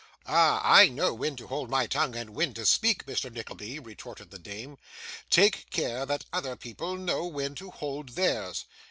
'Ah, I know when to hold my tongue, and when to speak, Mr. Nickleby,' retorted the dame. 'Take care that other people know when to hold theirs.